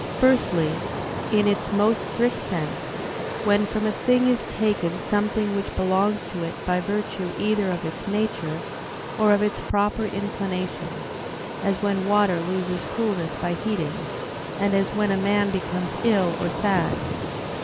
Firstly, in its most strict sense, when from a thing is taken something which belongs to it by virtue either of its nature, or of its proper inclination: as when water loses coolness by heating, and as when a man becomes ill or sad.